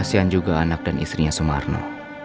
kasian juga anak dan istrinya sumarno